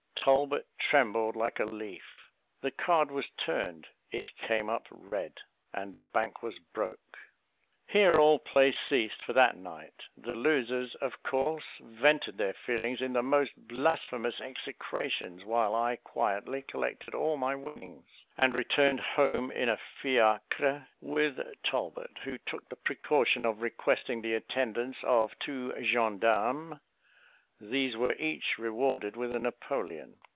Talbot trembled like a leaf. The card was turned; it came up red, and the bank was broke. Here all play ceased for that night. The losers, of course, vented their feelings in the most blasphemous execrations; while I quietly collected all my winnings, and returned home in a fiacre, with Talbot, who took the precaution of requesting the attendance of two gens d'armes. These were each rewarded with a Napoleon.